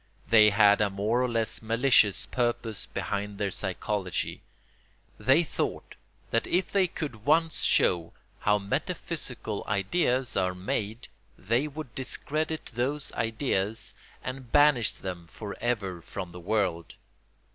They had a more or less malicious purpose behind their psychology. They thought that if they could once show how metaphysical ideas are made they would discredit those ideas and banish them for ever from the world.